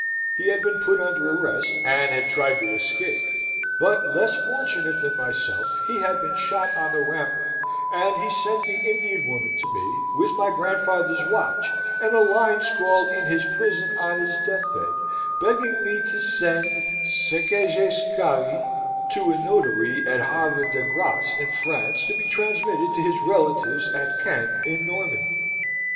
He had been put under arrest, and had tried to escape; but, less fortunate than myself, he had been shot on the rampart, and he sent the Indian woman to me, with my grandfather's watch, and a line scrawled in his prison on his deathbed, begging me to send ce que je scavais to a notary at Havre de Grace in France to be transmitted to his relatives at Caen in Normandy.